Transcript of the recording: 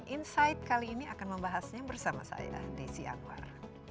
insight kali ini akan membahasnya bersama saya desi anwar